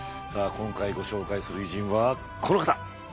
今回ご紹介する偉人はこの方。